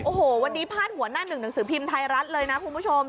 โอ้โหวันนี้พาดหัวหน้าหนึ่งหนังสือพิมพ์ไทยรัฐเลยนะคุณผู้ชม